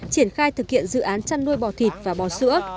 triển khai thực hiện dự án chăn nuôi bò thịt và bò sữa